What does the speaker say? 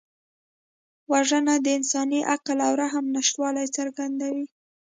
وژنه د انساني عقل او رحم نشتوالی څرګندوي